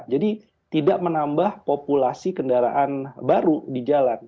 jadi tidak menambah populasi kendaraan baru di jalan